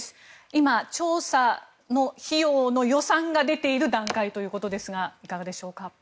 今、調査の費用の予算が出ている段階ということですがいかがでしょうか。